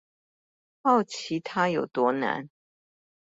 好奇他有多難